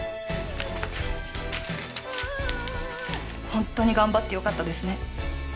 ホントに頑張ってよかったですね。